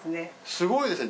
すごいですね。